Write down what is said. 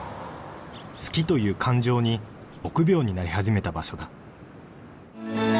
好きという感情に臆病になり始めた場所だ